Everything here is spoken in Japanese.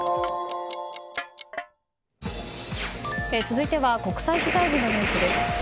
続いては、国際取材部のニュースです。